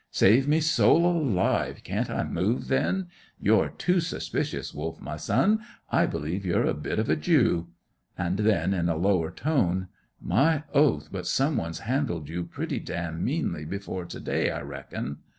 Save me soul alive! Can't I move, then? You're too suspicious, Wolf, my son. I believe you're a bit of a Jew." And then, in a lower tone, "My oath, but some one's handled you pretty damn meanly before to day, I reckon.